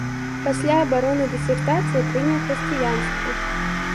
Пасля абароны дысертацыі прыняў хрысціянства.